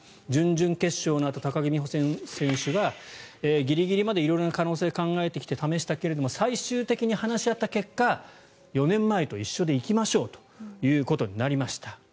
準々決勝のあと高木美帆選手はギリギリまで色々な可能性を考えて試してきたけど最終的に話し合った結果４年前と一緒で行きましょうということになりました。